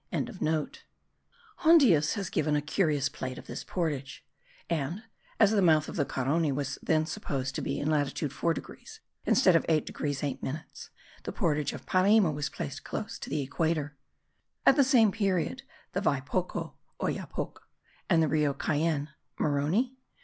Hondius has given a curious plate of this portage; and, as the mouth of the Carony was then supposed to be in latitude 4 degrees (instead of 8 degrees 8 minutes), the portage of Parima was placed close to the equator. At the same period the Viapoco (Oyapoc) and the Rio Cayenne (Maroni?)